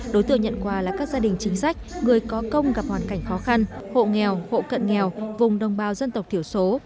đối tượng nhận quà là các gia đình chính sách người có công gặp hoàn cảnh khó khăn hộ nghèo hộ cận nghèo vùng đồng bào dân tộc thiểu số